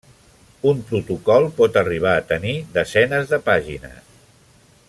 Un protocol pot arribar a tenir desenes de pàgines.